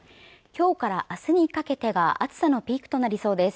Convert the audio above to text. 今日から明日にかけてが暑さのピークとなりそうです